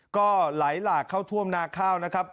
ก็ไหลหลากเข้าท่วมนาข้าวนะครับ